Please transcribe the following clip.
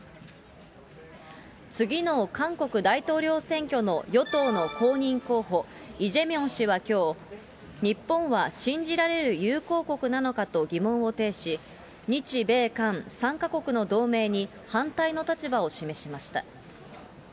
次の韓国大統領選挙の与党の公認候補、イ・ジェミョン氏はきょう、日本は信じられる友好国なのかと疑問を呈し、日米韓３か国の同盟に反対の立場を示しました。